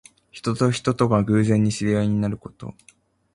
人と人とが偶然に知り合いになること。